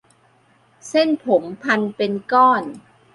เส้นผมพันเป็นก้อน